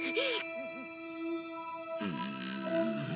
うん。